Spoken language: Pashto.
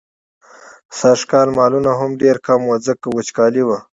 سږکال مالونه هم ډېر کم وو، ځکه وچکالي وه.